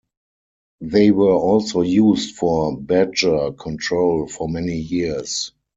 They were also used for badger control for many years.